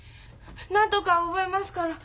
何とか覚えますから。